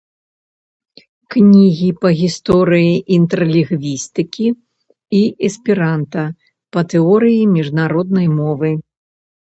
кнігі па гісторыі інтэрлінгвістыкі і эсперанта, па тэорыі міжнароднай мовы